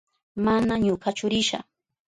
Mana ñukachu risha.